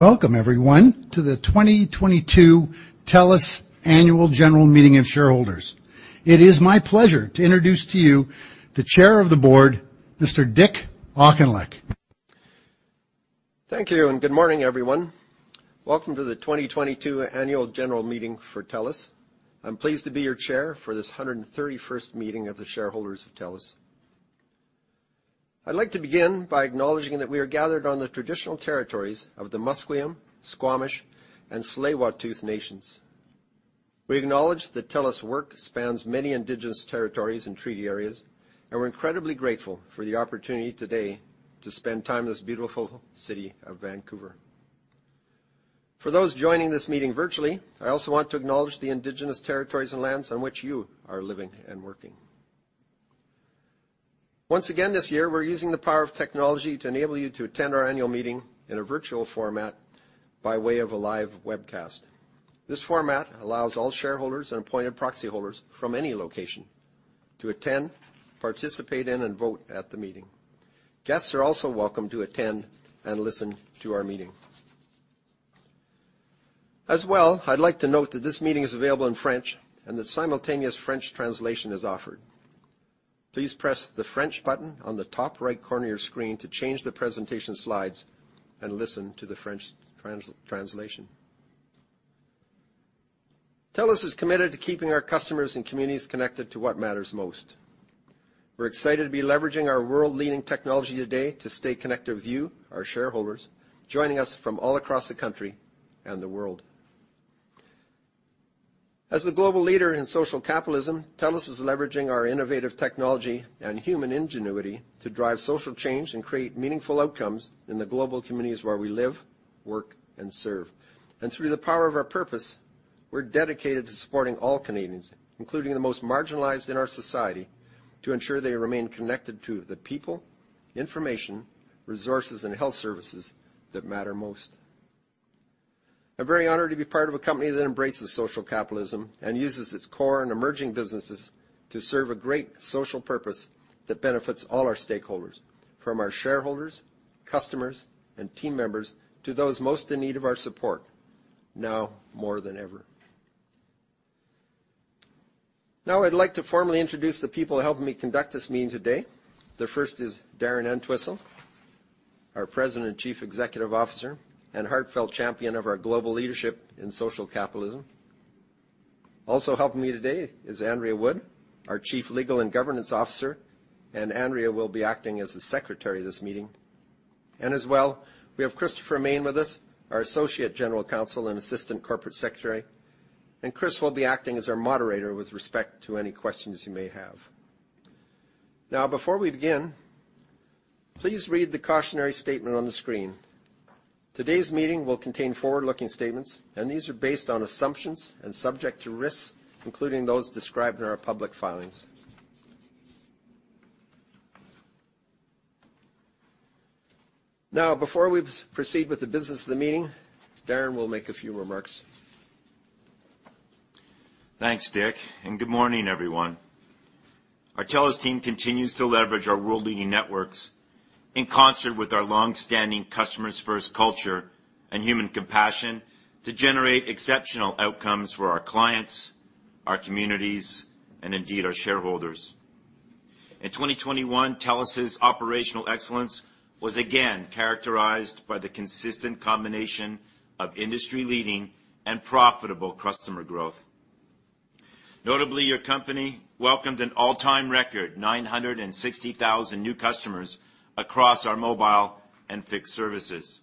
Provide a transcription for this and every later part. Welcome everyone to the 2022 TELUS Annual General Meeting of Shareholders. It is my pleasure to introduce to you the Chair of the Board, Mr. Dick Auchinleck. Thank you, and good morning, everyone. Welcome to the 2022 Annual General Meeting for TELUS. I'm pleased to be your chair for this 131st meeting of the shareholders of TELUS. I'd like to begin by acknowledging that we are gathered on the traditional territories of the Musqueam, Squamish, and Tsleil-Waututh Nations. We acknowledge that TELUS work spans many indigenous territories and treaty areas, and we're incredibly grateful for the opportunity today to spend time in this beautiful city of Vancouver. For those joining this meeting virtually, I also want to acknowledge the indigenous territories and lands on which you are living and working. Once again this year, we're using the power of technology to enable you to attend our annual meeting in a virtual format by way of a live webcast. This format allows all shareholders and appointed proxy holders from any location to attend, participate in, and vote at the meeting. Guests are also welcome to attend and listen to our meeting. As well, I'd like to note that this meeting is available in French and that simultaneous French translation is offered. Please press the French button on the top right corner of your screen to change the presentation slides and listen to the French translation. TELUS is committed to keeping our customers and communities connected to what matters most. We're excited to be leveraging our world-leading technology today to stay connected with you, our shareholders, joining us from all across the country and the world. As the global leader in social capitalism, TELUS is leveraging our innovative technology and human ingenuity to drive social change and create meaningful outcomes in the global communities where we live, work, and serve. Through the power of our purpose, we're dedicated to supporting all Canadians, including the most marginalized in our society, to ensure they remain connected to the people, information, resources, and health services that matter most. I'm very honored to be part of a company that embraces social capitalism and uses its core and emerging businesses to serve a great social purpose that benefits all our stakeholders, from our shareholders, customers, and team members to those most in need of our support now more than ever. Now I'd like to formally introduce the people helping me conduct this meeting today. The first is Darren Entwistle, our President and Chief Executive Officer and heartfelt champion of our global leadership in social capitalism. Also helping me today is Andrea Wood, our Chief Legal and Governance Officer, and Andrea will be acting as the secretary of this meeting. As well, we have Christopher Main with us, our Associate General Counsel and Assistant Corporate Secretary. Chris will be acting as our moderator with respect to any questions you may have. Now, before we begin, please read the cautionary statement on the screen. Today's meeting will contain forward-looking statements, and these are based on assumptions and subject to risks, including those described in our public filings. Now, before we proceed with the business of the meeting, Darren will make a few remarks. Thanks, Dick, and good morning, everyone. Our TELUS team continues to leverage our world-leading networks in concert with our long-standing customers first culture and human compassion to generate exceptional outcomes for our clients, our communities, and indeed, our shareholders. In 2021, TELUS's operational excellence was again characterized by the consistent combination of industry-leading and profitable customer growth. Notably, your company welcomed an all-time record, 960,000 new customers across our mobile and fixed services.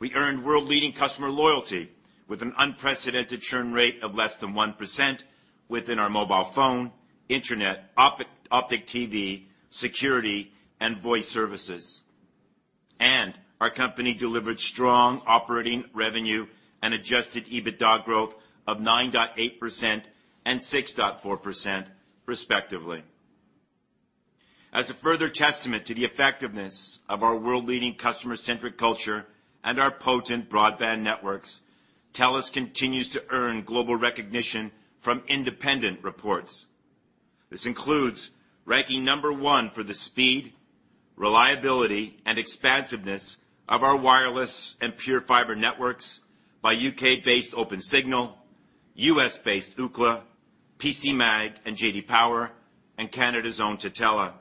We earned world-leading customer loyalty with an unprecedented churn rate of less than 1% within our mobile phone, internet, Optik TV, security, and voice services. Our company delivered strong operating revenue and Adjusted EBITDA growth of 9.8% and 6.4% respectively. As a further testament to the effectiveness of our world-leading customer-centric culture and our potent broadband networks, TELUS continues to earn global recognition from independent reports. This includes ranking number 1 for the speed, reliability, and expansiveness of our wireless and PureFiber networks by U.K.-based Opensignal, U.S.-based Ookla, PCMag, and J.D. Power, and Canada's own Tutela.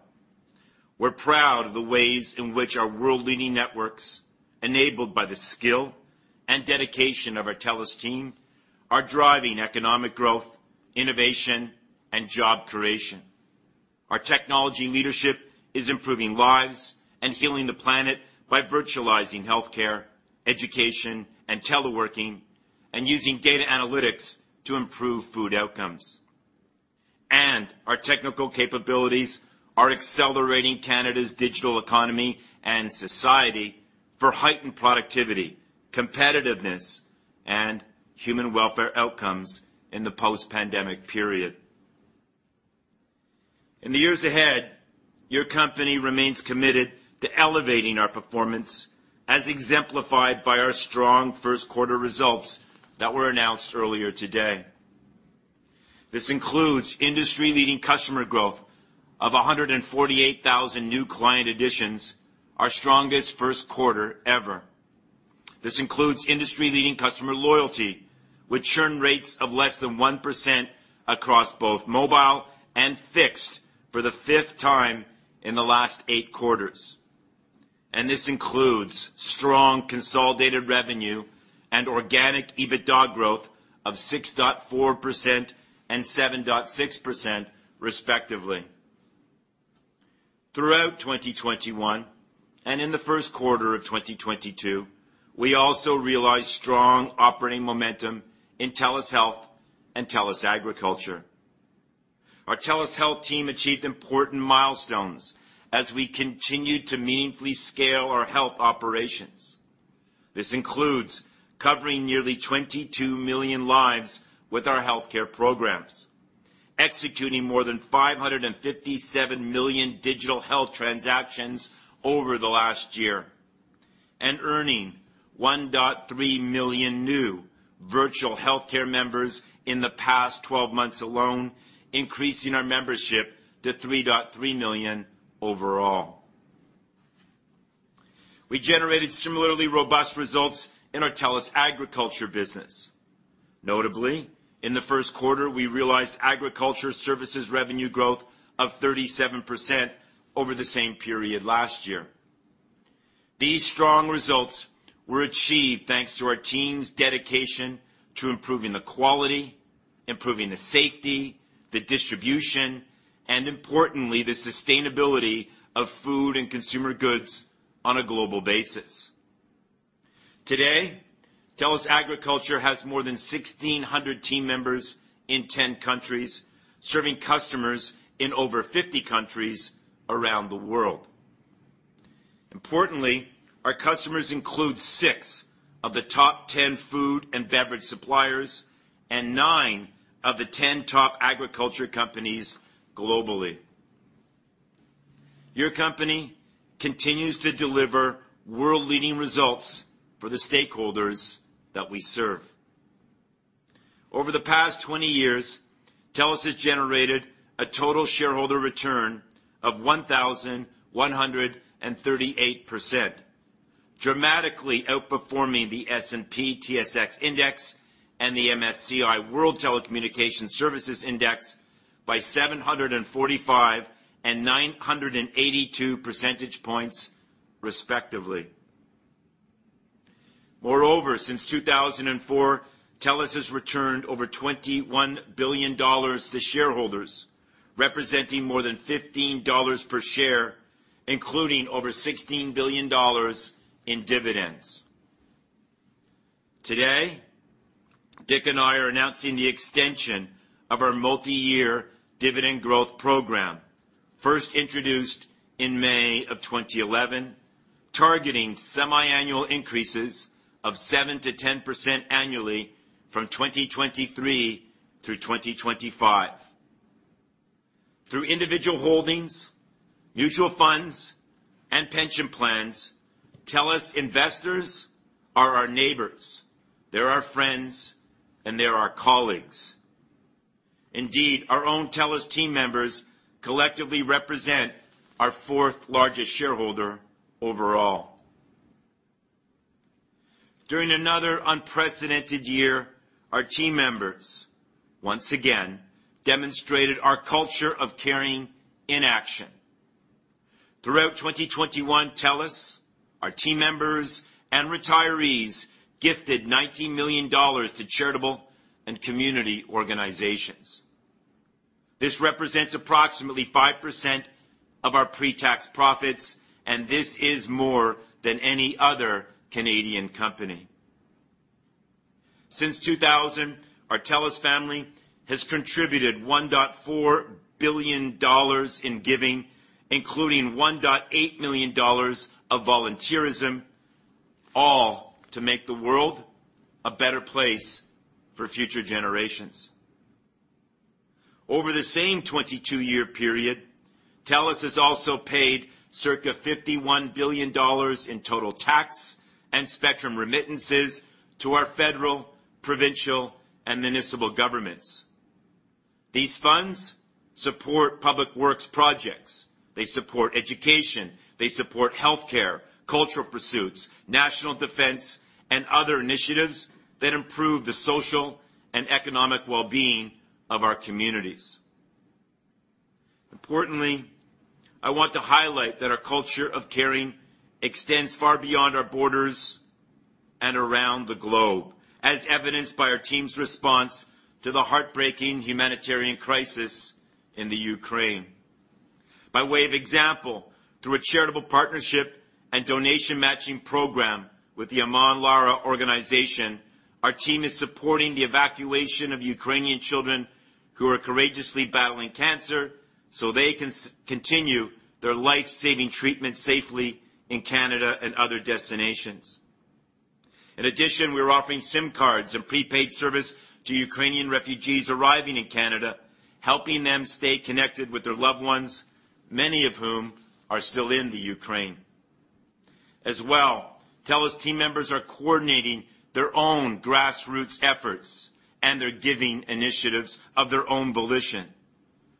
We're proud of the ways in which our world-leading networks, enabled by the skill and dedication of our TELUS team, are driving economic growth, innovation, and job creation. Our technology leadership is improving lives and healing the planet by virtualizing healthcare, education, and teleworking, and using data analytics to improve food outcomes. Our technical capabilities are accelerating Canada's digital economy and society for heightened productivity, competitiveness, and human welfare outcomes in the post-pandemic period. In the years ahead, your company remains committed to elevating our performance as exemplified by our strong first quarter results that were announced earlier today. This includes industry-leading customer growth of 148,000 new client additions, our strongest first quarter ever. This includes industry-leading customer loyalty with churn rates of less than 1% across both mobile and fixed for the fifth time in the last 8 quarters. This includes strong consolidated revenue and organic EBITDA growth of 6.4% and 7.6% respectively. Throughout 2021, and in the first quarter of 2022, we also realized strong operating momentum in TELUS Health and TELUS Agriculture. Our TELUS Health team achieved important milestones as we continued to meaningfully scale our health operations. This includes covering nearly 22 million lives with our healthcare programs, executing more than 557 million digital health transactions over the last year, and earning 1.3 million new virtual healthcare members in the past twelve months alone, increasing our membership to 3.3 million overall. We generated similarly robust results in our TELUS Agriculture business. Notably, in the first quarter, we realized agriculture services revenue growth of 37% over the same period last year. These strong results were achieved thanks to our team's dedication to improving the quality, improving the safety, the distribution, and importantly, the sustainability of food and consumer goods on a global basis. Today, TELUS Agriculture has more than 1,600 team members in 10 countries, serving customers in over 50 countries around the world. Importantly, our customers include six of the top ten food and beverage suppliers and nine of the ten top agriculture companies globally. Your company continues to deliver world-leading results for the stakeholders that we serve. Over the past 20 years, TELUS has generated a total shareholder return of 1,138%, dramatically outperforming the S&P/TSX Index and the MSCI World Communication Services Index by 745 and 982 percentage points, respectively. Moreover, since 2004, TELUS has returned over 21 billion dollars to shareholders, representing more than 15 dollars per share, including over 16 billion dollars in dividends. Today, Dick and I are announcing the extension of our multi-year dividend growth program, first introduced in May of 2011, targeting semiannual increases of 7%-10% annually from 2023 through 2025. Through individual holdings, mutual funds, and pension plans, TELUS investors are our neighbors, they're our friends, and they're our colleagues. Indeed, our own TELUS team members collectively represent our fourth-largest shareholder overall. During another unprecedented year, our team members once again demonstrated our culture of caring in action. Throughout 2021, TELUS, our team members, and retirees gifted 90 million dollars to charitable and community organizations. This represents approximately 5% of our pre-tax profits, and this is more than any other Canadian company. Since 2000, our TELUS family has contributed 1.4 billion dollars in giving, including 1.8 million dollars of volunteerism, all to make the world a better place for future generations. Over the same 22-year period, TELUS has also paid circa 51 billion dollars in total tax and spectrum remittances to our federal, provincial, and municipal governments. These funds support public works projects. They support education, they support healthcare, cultural pursuits, national defense, and other initiatives that improve the social and economic well-being of our communities. Importantly, I want to highlight that our culture of caring extends far beyond our borders and around the globe, as evidenced by our team's response to the heartbreaking humanitarian crisis in the Ukraine. By way of example, through a charitable partnership and donation matching program with the Aman Lara organization, our team is supporting the evacuation of Ukrainian children who are courageously battling cancer so they can continue their life-saving treatment safely in Canada and other destinations. In addition, we're offering SIM cards and prepaid service to Ukrainian refugees arriving in Canada, helping them stay connected with their loved ones, many of whom are still in the Ukraine. As well, TELUS team members are coordinating their own grassroots efforts and their giving initiatives of their own volition,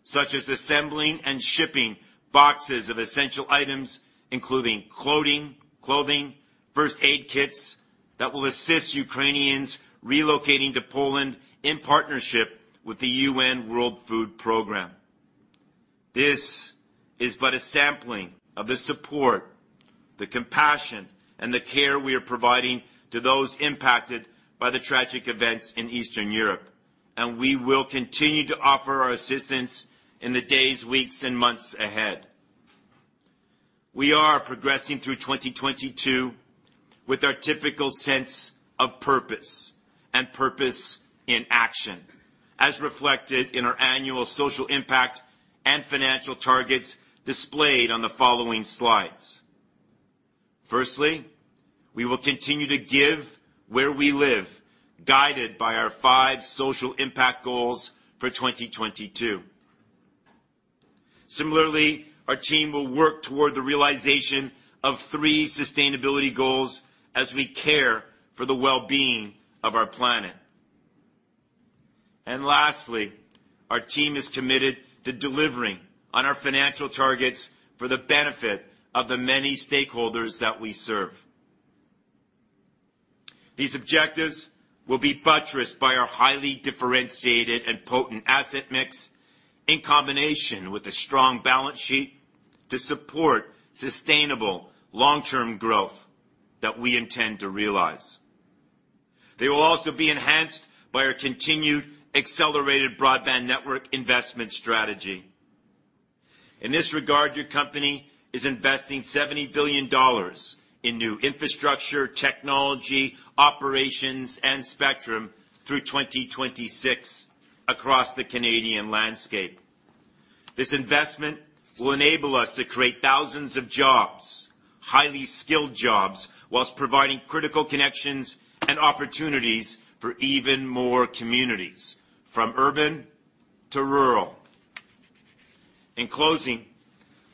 such as assembling and shipping boxes of essential items, including clothing, first aid kits that will assist Ukrainians relocating to Poland in partnership with the UN World Food Programme. This is but a sampling of the support, the compassion, and the care we are providing to those impacted by the tragic events in Eastern Europe, and we will continue to offer our assistance in the days, weeks, and months ahead. We are progressing through 2022 with our typical sense of purpose and purpose in action, as reflected in our annual social impact and financial targets displayed on the following slides. Firstly, we will continue to give where we live, guided by our five social impact goals for 2022. Similarly, our team will work toward the realization of three sustainability goals as we care for the well-being of our planet. Lastly, our team is committed to delivering on our financial targets for the benefit of the many stakeholders that we serve. These objectives will be buttressed by our highly differentiated and potent asset mix in combination with a strong balance sheet to support sustainable long-term growth that we intend to realize. They will also be enhanced by our continued accelerated broadband network investment strategy. In this regard, your company is investing 70 billion dollars in new infrastructure, technology, operations, and spectrum through 2026 across the Canadian landscape. This investment will enable us to create thousands of jobs, highly skilled jobs, while providing critical connections and opportunities for even more communities, from urban to rural. In closing,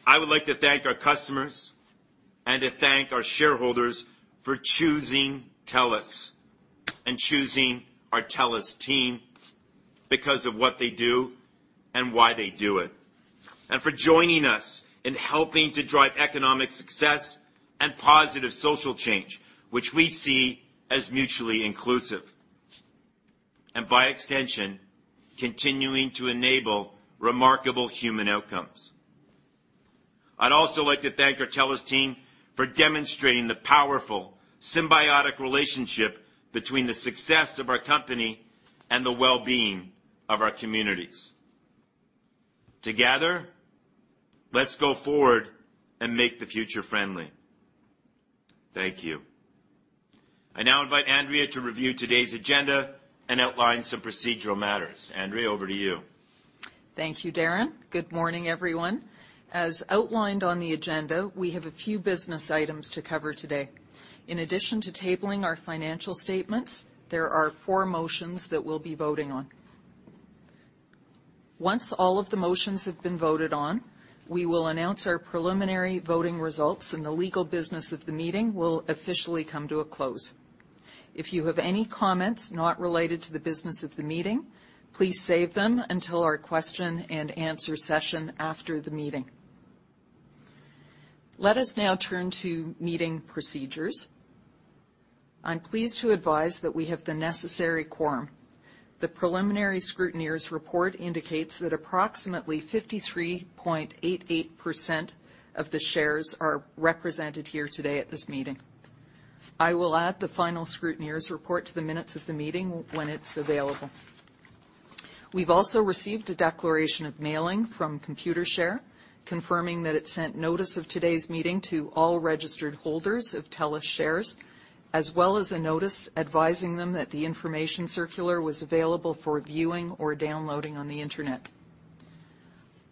I would like to thank our customers and to thank our shareholders for choosing TELUS and choosing our TELUS team because of what they do and why they do it, and for joining us in helping to drive economic success and positive social change, which we see as mutually inclusive, and by extension, continuing to enable remarkable human outcomes. I'd also like to thank our TELUS team for demonstrating the powerful, symbiotic relationship between the success of our company and the well-being of our communities. Together, let's go forward and make the future friendly. Thank you. I now invite Andrea to review today's agenda and outline some procedural matters. Andrea, over to you. Thank you, Darren. Good morning, everyone. As outlined on the agenda, we have a few business items to cover today. In addition to tabling our financial statements, there are 4 motions that we'll be voting on. Once all of the motions have been voted on, we will announce our preliminary voting results, and the legal business of the meeting will officially come to a close. If you have any comments not related to the business of the meeting, please save them until our question and answer session after the meeting. Let us now turn to meeting procedures. I'm pleased to advise that we have the necessary quorum. The preliminary scrutineers report indicates that approximately 53.88% of the shares are represented here today at this meeting. I will add the final scrutineers report to the minutes of the meeting when it's available. We've also received a declaration of mailing from Computershare, confirming that it sent notice of today's meeting to all registered holders of TELUS shares, as well as a notice advising them that the information circular was available for viewing or downloading on the Internet.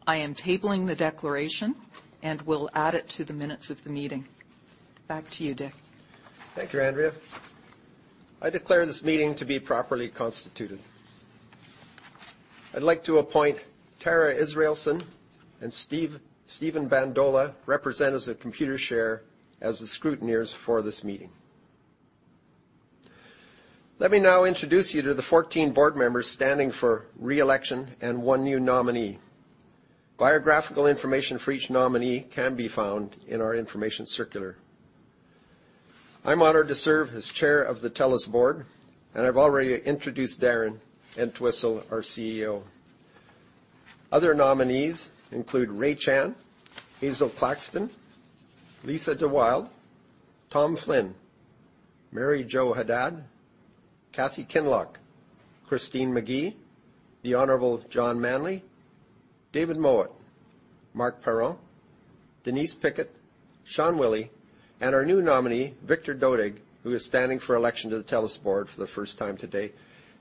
I am tabling the declaration and will add it to the minutes of the meeting. Back to you, Dick. Thank you, Andrea. I declare this meeting to be properly constituted. I'd like to appoint Tara Israelson and Steve, Stephen Bandola, representatives of Computershare, as the scrutineers for this meeting. Let me now introduce you to the 14 board members standing for re-election and one new nominee. Biographical information for each nominee can be found in our information circular. I'm honored to serve as Chair of the TELUS Board, and I've already introduced Darren Entwistle, our CEO. Other nominees include Ray Chan, Hazel Claxton, Lisa De Wilde, Tom Flynn, Mary Jo Haddad, Kathy Kinloch, Christine Magee, The Honorable John Manley, David Mowat, Marc Parent, Denise Pickett, Sean Willy, and our new nominee, Victor Dodig, who is standing for election to the TELUS Board for the first time today.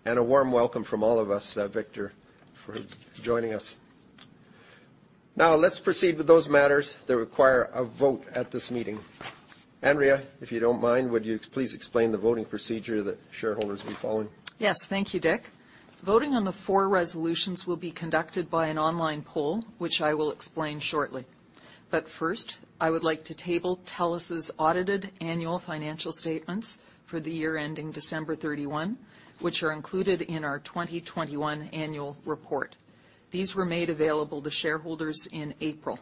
A warm welcome from all of us, Victor, for joining us. Now, let's proceed with those matters that require a vote at this meeting. Andrea, if you don't mind, would you please explain the voting procedure that shareholders will be following? Yes. Thank you, Dick. Voting on the four resolutions will be conducted by an online poll, which I will explain shortly. First, I would like to table TELUS's audited annual financial statements for the year ending December 31, which are included in our 2021 annual report. These were made available to shareholders in April.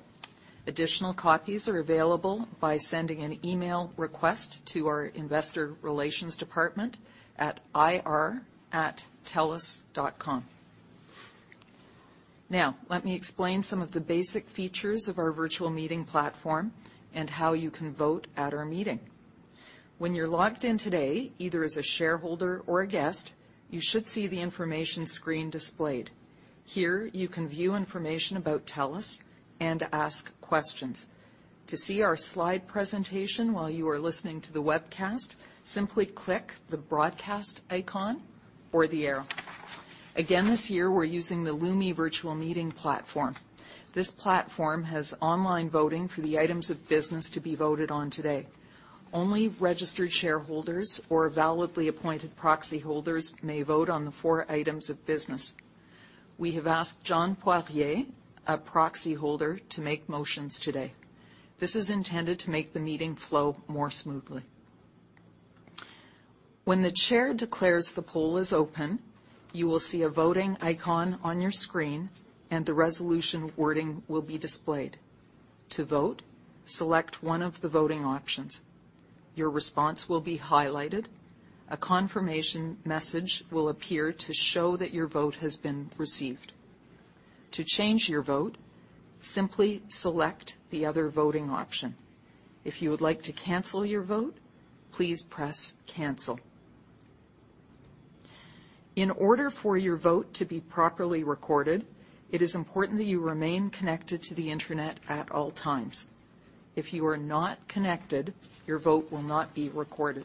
Additional copies are available by sending an email request to our investor relations department at ir@telus.com. Now, let me explain some of the basic features of our virtual meeting platform and how you can vote at our meeting. When you're logged in today, either as a shareholder or a guest, you should see the information screen displayed. Here, you can view information about TELUS and ask questions. To see our slide presentation while you are listening to the webcast, simply click the broadcast icon or the arrow. Again, this year, we're using the Lumi virtual meeting platform. This platform has online voting for the items of business to be voted on today. Only registered shareholders or validly appointed proxy holders may vote on the four items of business. We have asked John Poirier, a proxy holder, to make motions today. This is intended to make the meeting flow more smoothly. When the chair declares the poll is open, you will see a voting icon on your screen, and the resolution wording will be displayed. To vote, select one of the voting options. Your response will be highlighted. A confirmation message will appear to show that your vote has been received. To change your vote, simply select the other voting option. If you would like to cancel your vote, please press Cancel. In order for your vote to be properly recorded, it is important that you remain connected to the internet at all times. If you are not connected, your vote will not be recorded.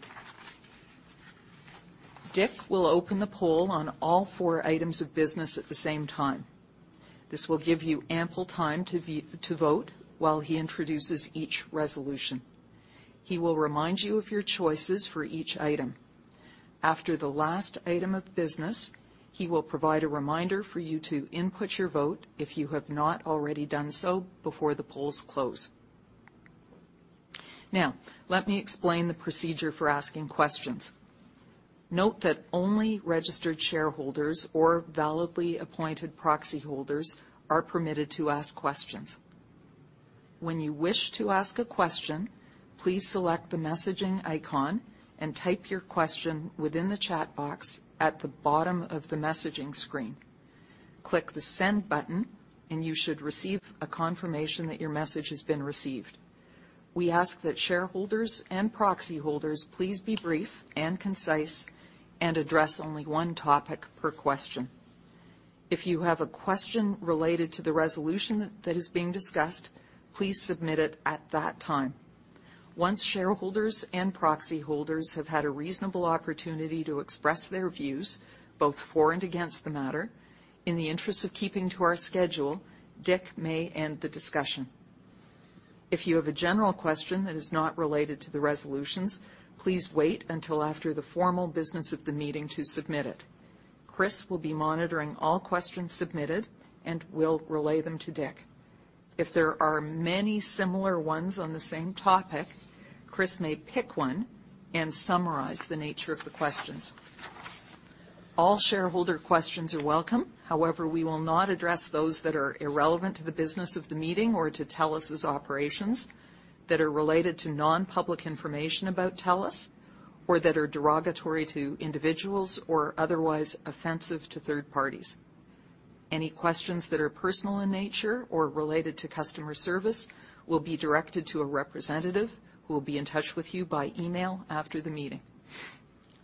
Dick will open the poll on all four items of business at the same time. This will give you ample time to vote while he introduces each resolution. He will remind you of your choices for each item. After the last item of business, he will provide a reminder for you to input your vote if you have not already done so before the polls close. Now, let me explain the procedure for asking questions. Note that only registered shareholders or validly appointed proxy holders are permitted to ask questions. When you wish to ask a question, please select the messaging icon and type your question within the chat box at the bottom of the messaging screen. Click the Send button, and you should receive a confirmation that your message has been received. We ask that shareholders and proxy holders please be brief and concise and address only one topic per question. If you have a question related to the resolution that is being discussed, please submit it at that time. Once shareholders and proxy holders have had a reasonable opportunity to express their views, both for and against the matter, in the interest of keeping to our schedule, Dick may end the discussion. If you have a general question that is not related to the resolutions, please wait until after the formal business of the meeting to submit it. Chris will be monitoring all questions submitted and will relay them to Dick. If there are many similar ones on the same topic, Chris may pick one and summarize the nature of the questions. All shareholder questions are welcome. However, we will not address those that are irrelevant to the business of the meeting or to TELUS's operations that are related to non-public information about TELUS, or that are derogatory to individuals or otherwise offensive to third parties. Any questions that are personal in nature or related to customer service will be directed to a representative who will be in touch with you by email after the meeting.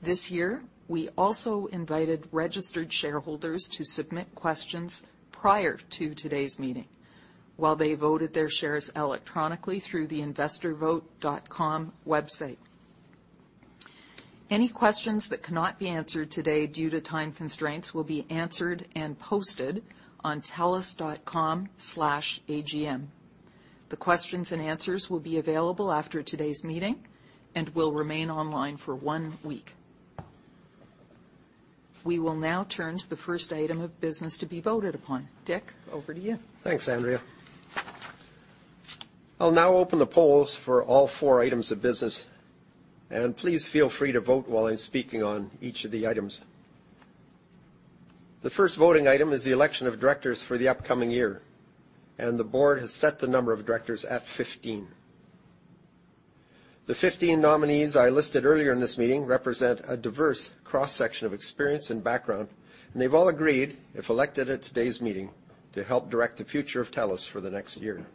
This year, we also invited registered shareholders to submit questions prior to today's meeting while they voted their shares electronically through the investorvote.com website. Any questions that cannot be answered today due to time constraints will be answered and posted on telus.com/agm. The questions and answers will be available after today's meeting and will remain online for one week. We will now turn to the first item of business to be voted upon. Dick, over to you. Thanks, Andrea. I'll now open the polls for all four items of business, and please feel free to vote while I'm speaking on each of the items. The first voting item is the election of directors for the upcoming year, and the board has set the number of directors at 15. The 15 nominees I listed earlier in this meeting represent a diverse cross-section of experience and background, and they've all agreed, if elected at today's meeting, to help direct the future of TELUS for the next year.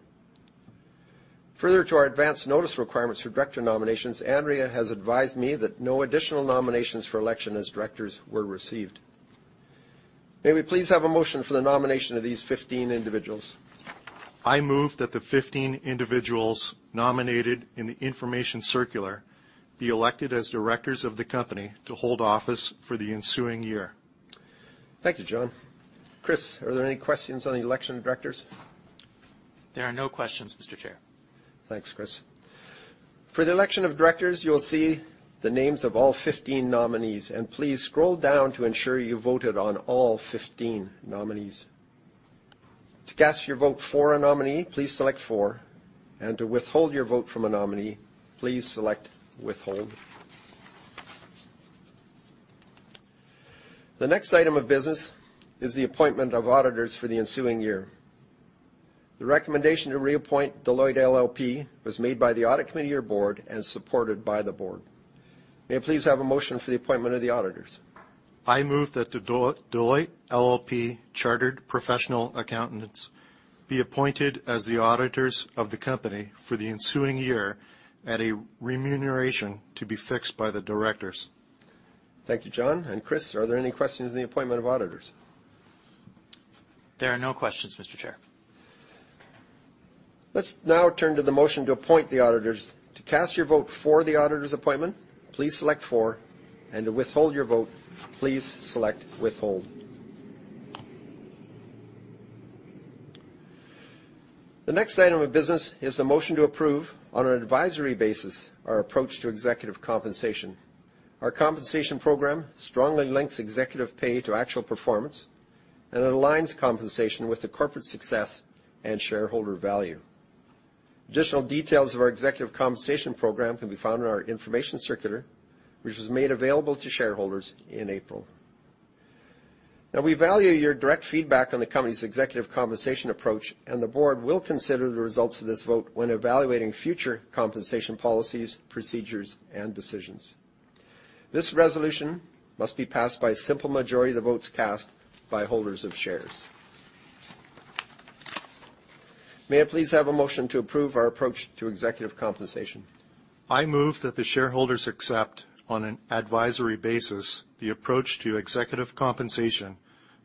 Further to our advance notice requirements for director nominations, Andrea has advised me that no additional nominations for election as directors were received. May we please have a motion for the nomination of these 15 individuals? I move that the 15 individuals nominated in the information circular be elected as directors of the company to hold office for the ensuing year. Thank you, John. Chris, are there any questions on the election of directors? There are no questions, Mr. Chair. Thanks, Chris. For the election of directors, you will see the names of all 15 nominees. Please scroll down to ensure you voted on all 15 nominees. To cast your vote for a nominee, please select "for," and to withhold your vote from a nominee, please select "withhold." The next item of business is the appointment of auditors for the ensuing year. The recommendation to reappoint Deloitte LLP was made by the Audit Committee or board and supported by the board. May I please have a motion for the appointment of the auditors? I move that Deloitte LLP Chartered Professional Accountants be appointed as the auditors of the company for the ensuing year at a remuneration to be fixed by the directors. Thank you, John. Chris, are there any questions in the appointment of auditors? There are no questions, Mr. Chair. Let's now turn to the motion to appoint the auditors. To cast your vote for the auditor's appointment, please select "for," and to withhold your vote, please select "withhold." The next item of business is the motion to approve on an advisory basis our approach to executive compensation. Our compensation program strongly links executive pay to actual performance and aligns compensation with the corporate success and shareholder value. Additional details of our executive compensation program can be found in our information circular, which was made available to shareholders in April. Now, we value your direct feedback on the company's executive compensation approach, and the board will consider the results of this vote when evaluating future compensation policies, procedures, and decisions. This resolution must be passed by a simple majority of the votes cast by holders of shares. May I please have a motion to approve our approach to executive compensation? I move that the shareholders accept on an advisory basis the approach to executive compensation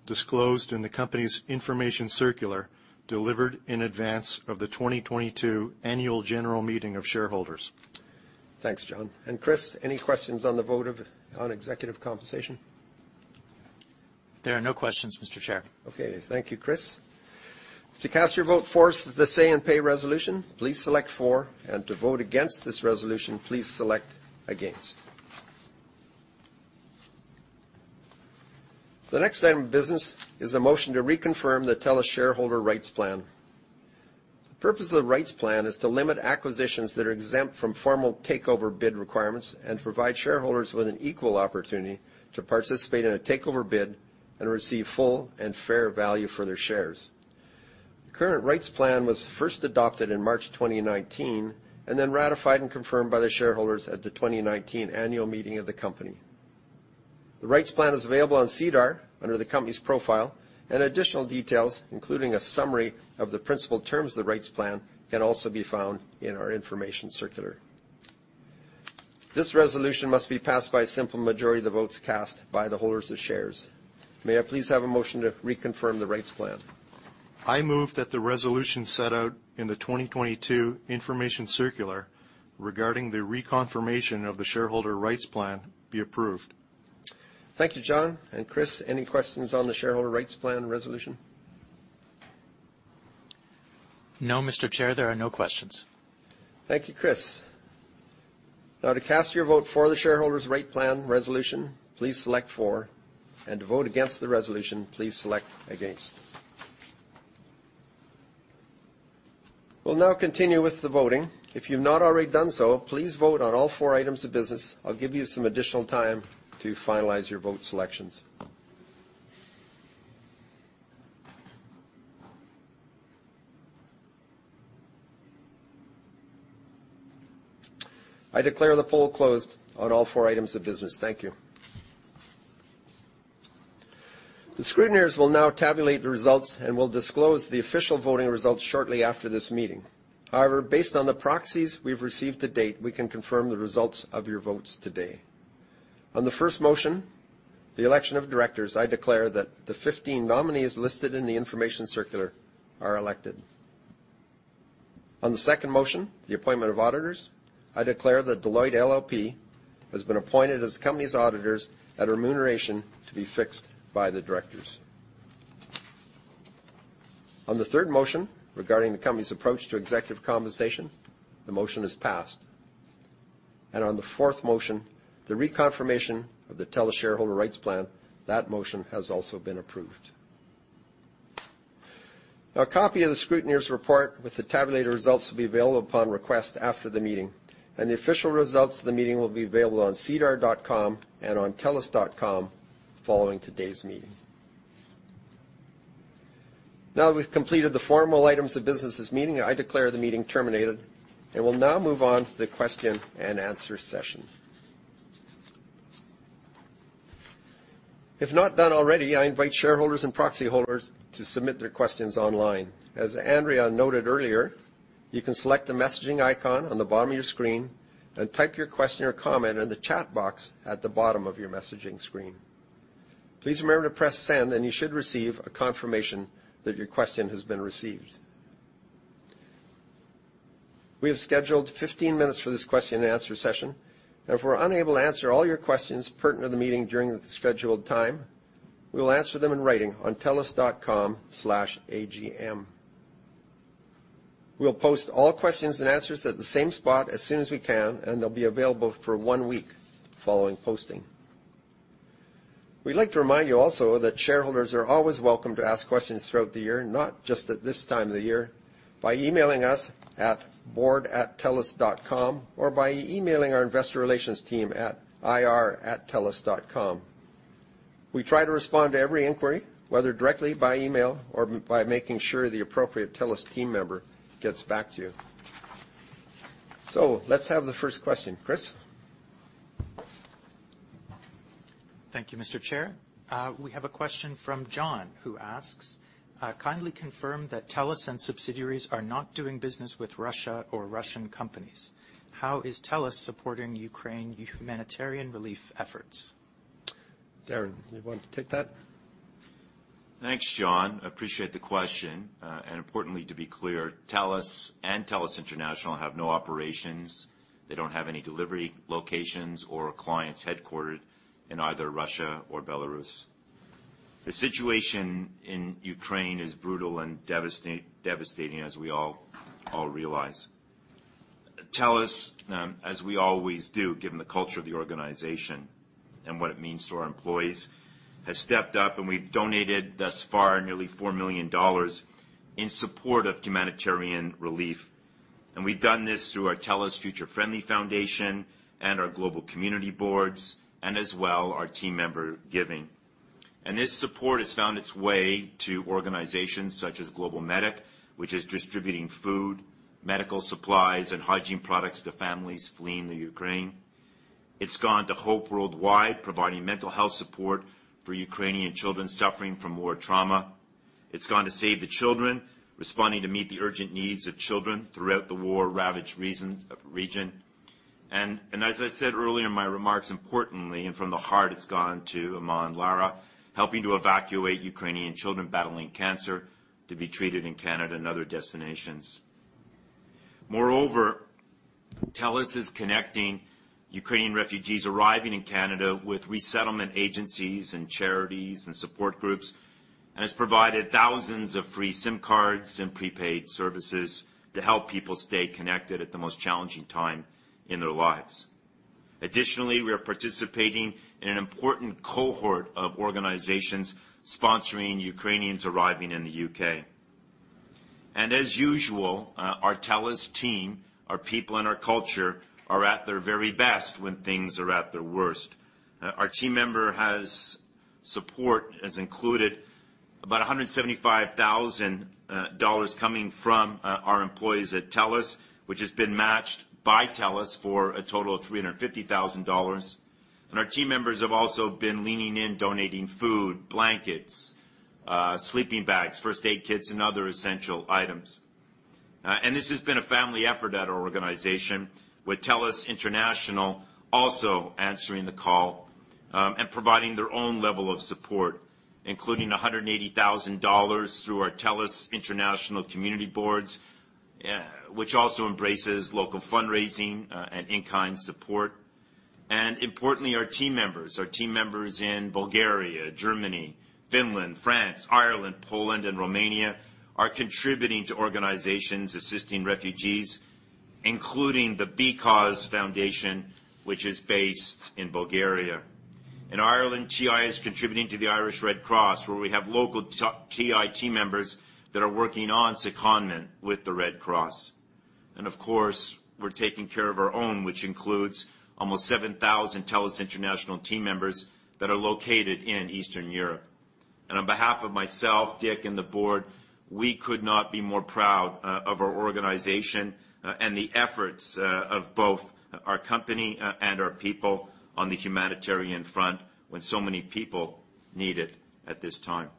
disclosed in the company's information circular delivered in advance of the 2022 annual general meeting of shareholders. Thanks, John. Chris, any questions on executive compensation? There are no questions, Mr. Chair. Okay. Thank you, Chris. To cast your vote for the say-on-pay resolution, please select "for," and to vote against this resolution, please select "against." The next item of business is a motion to reconfirm the TELUS shareholder rights plan. The purpose of the rights plan is to limit acquisitions that are exempt from formal takeover bid requirements and provide shareholders with an equal opportunity to participate in a takeover bid and receive full and fair value for their shares. The current rights plan was first adopted in March 2019 and then ratified and confirmed by the shareholders at the 2019 annual meeting of the company. The rights plan is available on SEDAR under the company's profile, and additional details, including a summary of the principal terms of the rights plan, can also be found in our information circular. This resolution must be passed by a simple majority of the votes cast by the holders of shares. May I please have a motion to reconfirm the rights plan? I move that the resolution set out in the 2022 information circular regarding the reconfirmation of the shareholder rights plan be approved. Thank you, John. Chris, any questions on the shareholder rights plan resolution? No, Mr. Chair, there are no questions. Thank you, Chris. Now to cast your vote for the shareholder rights plan resolution, please select "for," and to vote against the resolution, please select "against." We'll now continue with the voting. If you've not already done so, please vote on all four items of business. I'll give you some additional time to finalize your vote selections. I declare the poll closed on all four items of business. Thank you. The scrutineers will now tabulate the results and will disclose the official voting results shortly after this meeting. However, based on the proxies we've received to date, we can confirm the results of your votes today. On the first motion, the election of directors, I declare that the 15 nominees listed in the information circular are elected. On the second motion, the appointment of auditors, I declare that Deloitte LLP has been appointed as the company's auditors at a remuneration to be fixed by the directors. On the third motion regarding the company's approach to executive compensation, the motion is passed. On the fourth motion, the reconfirmation of the TELUS shareholder rights plan, that motion has also been approved. A copy of the scrutineer's report with the tabulated results will be available upon request after the meeting. The official results of the meeting will be available on sedar.com and on telus.com following today's meeting. Now that we've completed the formal items of business this meeting, I declare the meeting terminated and will now move on to the question and answer session. If not done already, I invite shareholders and proxy holders to submit their questions online. As Andrea noted earlier, you can select the messaging icon on the bottom of your screen and type your question or comment in the chat box at the bottom of your messaging screen. Please remember to press Send, and you should receive a confirmation that your question has been received. We have scheduled 15 minutes for this question and answer session, and if we're unable to answer all your questions pertinent to the meeting during the scheduled time, we will answer them in writing on telus.com/agm. We'll post all questions and answers at the same spot as soon as we can, and they'll be available for one week following posting. We'd like to remind you also that shareholders are always welcome to ask questions throughout the year, not just at this time of the year, by emailing us at board@telus.com or by emailing our investor relations team at ir@telus.com. We try to respond to every inquiry, whether directly by email or by making sure the appropriate TELUS team member gets back to you. Let's have the first question. Chris? Thank you, Mr. Chair. We have a question from John, who asks, "Kindly confirm that TELUS and subsidiaries are not doing business with Russia or Russian companies. How is TELUS supporting Ukraine humanitarian relief efforts? Darren, you want to take that? Thanks, John. Appreciate the question. Importantly, to be clear, TELUS and TELUS International have no operations. They don't have any delivery locations or clients headquartered in either Russia or Belarus. The situation in Ukraine is brutal and devastating as we all realize. TELUS, as we always do, given the culture of the organization and what it means to our employees, has stepped up, and we've donated thus far nearly 4 million dollars in support of humanitarian relief. We've done this through our TELUS Friendly Future Foundation and our global community boards, as well as our team member giving. This support has found its way to organizations such as GlobalMedic, which is distributing food, medical supplies, and hygiene products to families fleeing the Ukraine. It's gone to HOPE worldwide, providing mental health support for Ukrainian children suffering from war trauma. It's gone to Save the Children, responding to meet the urgent needs of children throughout the war-ravaged region. As I said earlier in my remarks, importantly and from the heart, it's gone to Aman Lara, helping to evacuate Ukrainian children battling cancer to be treated in Canada and other destinations. Moreover, TELUS is connecting Ukrainian refugees arriving in Canada with resettlement agencies and charities and support groups, and has provided thousands of free SIM cards and prepaid services to help people stay connected at the most challenging time in their lives. Additionally, we are participating in an important cohort of organizations sponsoring Ukrainians arriving in the U.K. As usual, our TELUS team, our people, and our culture are at their very best when things are at their worst. Our team members have included about 175,000 dollars coming from our employees at TELUS, which has been matched by TELUS for a total of 350,000 dollars. Our team members have also been leaning in, donating food, blankets, sleeping bags, first aid kits, and other essential items. This has been a family effort at our organization, with TELUS International also answering the call, and providing their own level of support, including 180,000 dollars through our TELUS International community boards, which also embraces local fundraising, and in-kind support. Importantly, our team members in Bulgaria, Germany, Finland, France, Ireland, Poland, and Romania are contributing to organizations assisting refugees, including the BCause Foundation, which is based in Bulgaria. In Ireland, TI is contributing to the Irish Red Cross, where we have local TI team members that are working on secondment with the Red Cross. Of course, we're taking care of our own, which includes almost 7,000 TELUS International team members that are located in Eastern Europe. On behalf of myself, Dick, and the board, we could not be more proud of our organization and the efforts of both our company and our people on the humanitarian front when so many people need it at this time.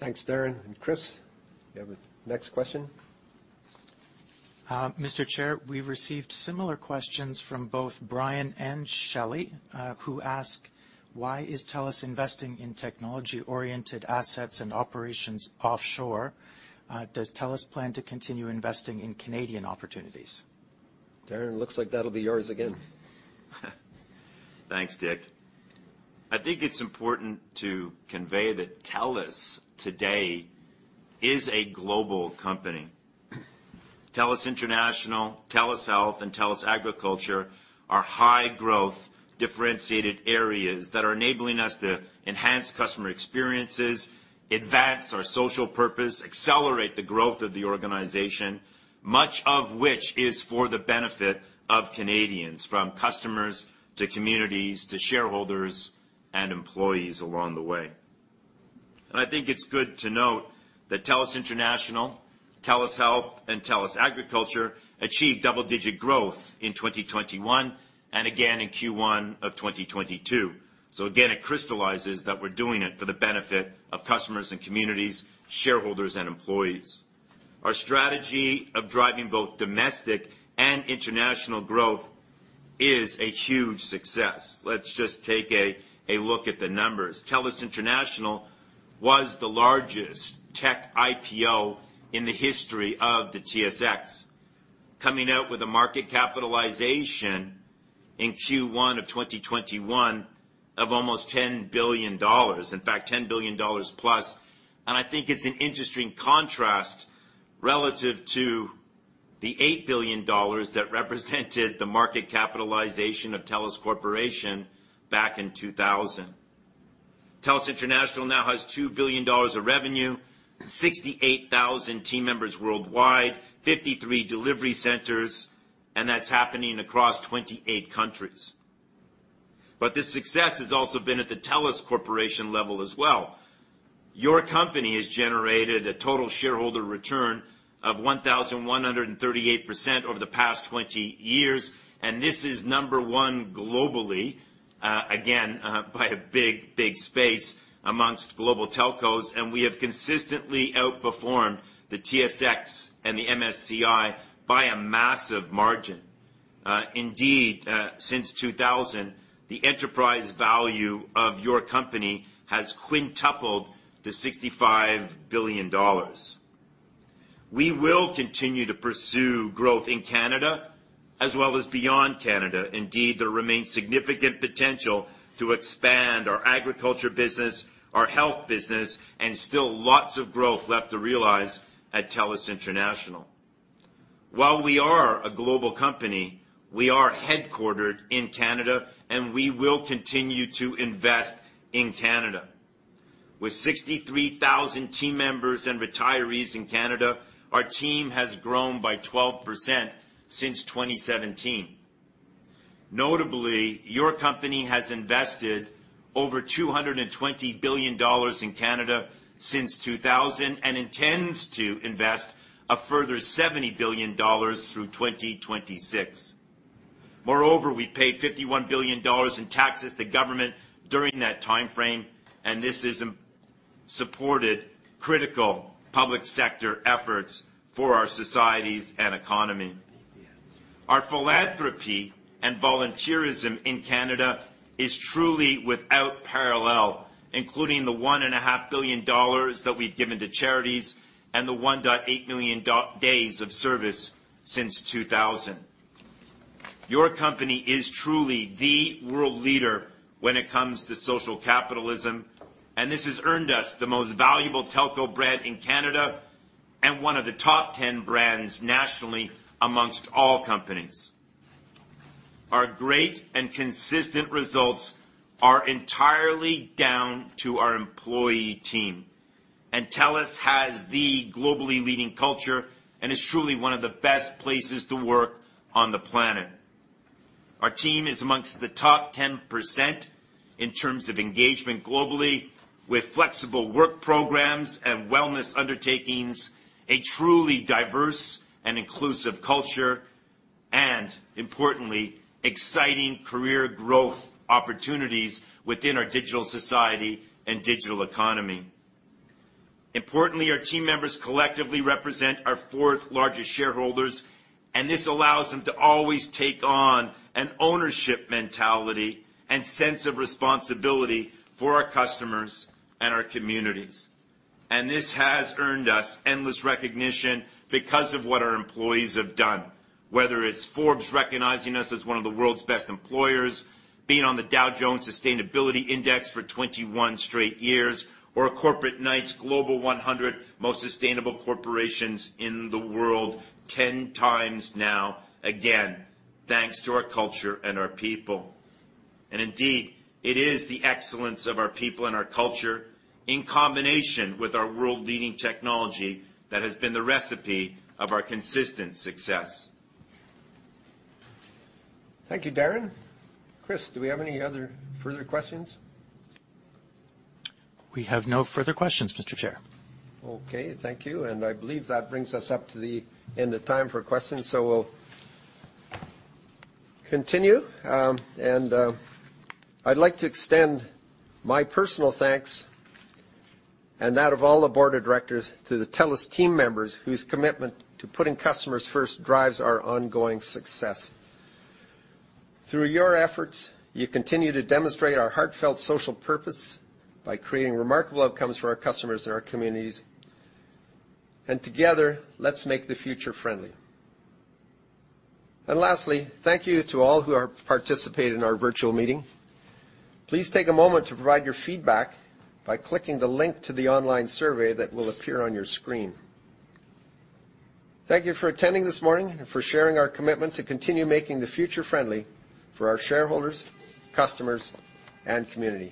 Thanks, Darren. Chris, you have the next question. Mr. Chair, we received similar questions from both Brian and Shelley, who ask, "Why is TELUS investing in technology-oriented assets and operations offshore? Does TELUS plan to continue investing in Canadian opportunities? Darren, looks like that'll be yours again. Thanks, Dick. I think it's important to convey that TELUS today is a global company. TELUS International, TELUS Health, and TELUS Agriculture are high-growth, differentiated areas that are enabling us to enhance customer experiences, advance our social purpose, accelerate the growth of the organization, much of which is for the benefit of Canadians, from customers to communities to shareholders and employees along the way. I think it's good to note that TELUS International, TELUS Health, and TELUS Agriculture achieved double-digit growth in 2021 and again in Q1 of 2022. Again, it crystallizes that we're doing it for the benefit of customers and communities, shareholders and employees. Our strategy of driving both domestic and international growth is a huge success. Let's just take a look at the numbers. TELUS International was the largest tech IPO in the history of the TSX. Coming out with a market capitalization in Q1 of 2021 of almost 10 billion dollars. In fact, 10 billion dollars plus. I think it's an interesting contrast relative to the 8 billion dollars that represented the market capitalization of TELUS Corporation back in 2000. TELUS International now has 2 billion dollars of revenue, 68,000 team members worldwide, 53 delivery centers, and that's happening across 28 countries. The success has also been at the TELUS Corporation level as well. Your company has generated a total shareholder return of 1,138% over the past 20 years, and this is number one globally, again, by a big, big space amongst global telcos, and we have consistently outperformed the TSX and the MSCI by a massive margin. Indeed, since 2000, the enterprise value of your company has quintupled to 65 billion dollars. We will continue to pursue growth in Canada as well as beyond Canada. Indeed, there remains significant potential to expand our agriculture business, our health business, and still lots of growth left to realize at TELUS International. While we are a global company, we are headquartered in Canada, and we will continue to invest in Canada. With 63,000 team members and retirees in Canada, our team has grown by 12% since 2017. Notably, your company has invested over 220 billion dollars in Canada since 2000, and intends to invest a further 70 billion dollars through 2026. Moreover, we paid 51 billion dollars in taxes to government during that timeframe, and this has supported critical public sector efforts for our societies and economy. Our philanthropy and volunteerism in Canada is truly without parallel, including the 1.5 billion dollars that we've given to charities and the 1.8 million days of service since 2000. Your company is truly the world leader when it comes to social capitalism, and this has earned us the most valuable telco brand in Canada and one of the top 10 brands nationally amongst all companies. Our great and consistent results are entirely down to our employee team. TELUS has the globally leading culture and is truly one of the best places to work on the planet. Our team is amongst the top 10% in terms of engagement globally with flexible work programs and wellness undertakings, a truly diverse and inclusive culture, and importantly, exciting career growth opportunities within our digital society and digital economy. Importantly, our team members collectively represent our fourth-largest shareholders, and this allows them to always take on an ownership mentality and sense of responsibility for our customers and our communities. This has earned us endless recognition because of what our employees have done, whether it's Forbes recognizing us as one of the world's best employers, being on the Dow Jones Sustainability Index for 21 straight years, or a Corporate Knights Global 100 Most Sustainable Corporations in the world 10 times now, again, thanks to our culture and our people. Indeed, it is the excellence of our people and our culture in combination with our world-leading technology that has been the recipe of our consistent success. Thank you, Darren. Chris, do we have any other further questions? We have no further questions, Mr. Chair. Okay, thank you. I believe that brings us up to the end of time for questions, so we'll continue. I'd like to extend my personal thanks and that of all the board of directors to the TELUS team members whose commitment to putting customers first drives our ongoing success. Through your efforts, you continue to demonstrate our heartfelt social purpose by creating remarkable outcomes for our customers and our communities, and together, let's make the future friendly. Lastly, thank you to all who are participating in our virtual meeting. Please take a moment to provide your feedback by clicking the link to the online survey that will appear on your screen. Thank you for attending this morning and for sharing our commitment to continue making the future friendly for our shareholders, customers, and communities.